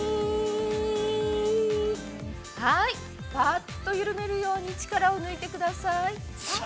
はい、ぱっと緩めるように、力を抜いてください。